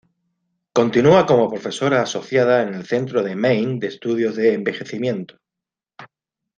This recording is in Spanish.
Continúa como profesora asociada en El Centro de Maine de Estudios de Envejecimiento.